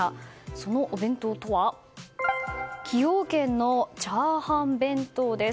そのお弁当とは崎陽軒の炒飯弁当です。